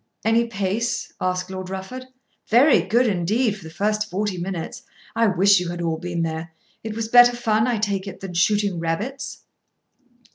"Any pace?" asked Lord Rufford. "Very good, indeed, for the first forty minutes. I wish you had all been there. It was better fun I take it than shooting rabbits."